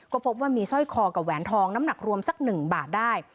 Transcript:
ก็พบว่ามีสร้อยคอกับแหวนทองน้ำหนักรวมสัก๑บาทได้